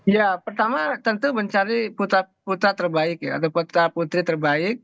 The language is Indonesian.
ya pertama tentu mencari putra putra terbaik ya atau putra putri terbaik